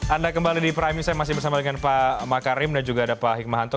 anda kembali di prime saya masih bersama dengan pak makarim dan juga ada pak hikmahanto